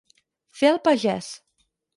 Fer el pagès.